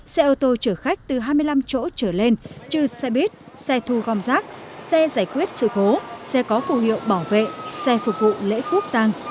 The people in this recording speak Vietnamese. xe ô tô chở khách từ hai mươi năm chỗ trở lên trừ xe buýt xe thu gom rác xe giải quyết sự cố xe có phù hiệu bảo vệ xe phục vụ lễ quốc giang